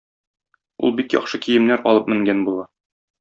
Ул бик яхшы киемнәр алып менгән була.